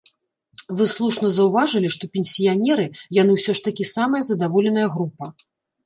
Вы слушна заўважылі, што пенсіянеры, яны ўсё ж такі самая задаволеная група.